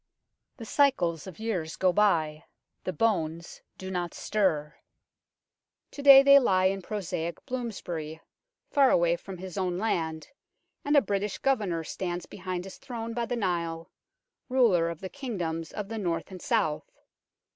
The cycles of years go by, the bones do not stir. To day they lie in prosaic Bloomsbury, far away from his own land, and a British Governor stands behind his throne by the Nile, ruler of the King doms of the North and South.